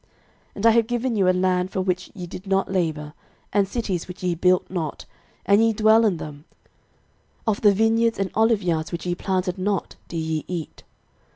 06:024:013 And I have given you a land for which ye did not labour, and cities which ye built not, and ye dwell in them; of the vineyards and oliveyards which ye planted not do ye eat.